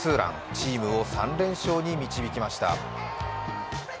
チームを３連勝に導きました。